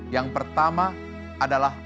yang pertama adalah